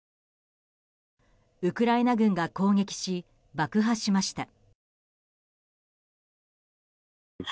ウクライナ軍が攻撃し爆破しました。